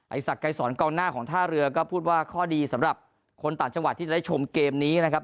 สักไกรสอนกองหน้าของท่าเรือก็พูดว่าข้อดีสำหรับคนต่างจังหวัดที่จะได้ชมเกมนี้นะครับ